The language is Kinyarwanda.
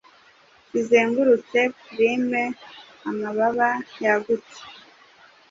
kizengurutse Pulime amababa yagutse,